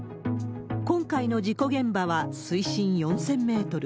今回の事故現場は水深４０００メートル。